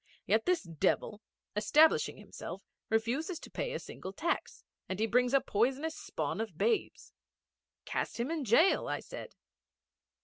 Yet this devil, establishing himself, refuses to pay a single tax; and he brings a poisonous spawn of babes.' 'Cast him into jail,' I said.